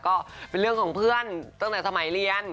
ก็เป็นเรื่องของเพื่อนตั้งแต่สมัยเรียน